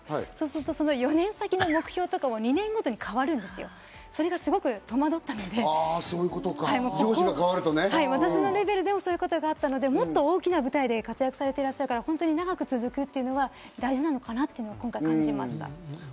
４年先の目標も２年ごとに変わる、それがすごく戸惑ったので、私のレベルでもそういうことがあったので、もっと大きな舞台で活躍されている方は長く続くというのは大事なのかなと今回、感じました。